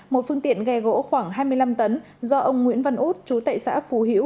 một phương tiện ghe gỗ khoảng hai mươi năm tấn do ông nguyễn văn út chú tệ xã phú hữu